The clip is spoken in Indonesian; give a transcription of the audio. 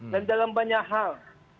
dan dalam banyak hal